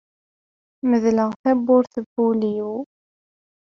Medleɣ tawwurt n wul-iw.